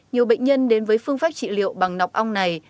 nhiều bệnh nhân đến với phương pháp trị liệu bằng nọc ong này